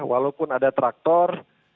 walaupun ada traktor